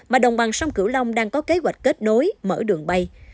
mà đồng bằng sông cửu long đang có kế hoạch kết nối mở đường bay